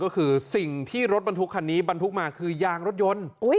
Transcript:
ก็คือสิ่งที่รถบรรทุกคันนี้บรรทุกมาคือยางรถยนต์